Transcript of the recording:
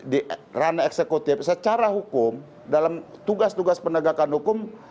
di ranah eksekutif secara hukum dalam tugas tugas penegakan hukum